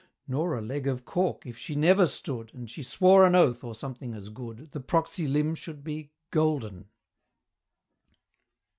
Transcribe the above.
Nor a leg of cork, if she never stood, And she swore an oath, or something as good, The proxy limb should be golden!